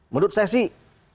menurut saya sih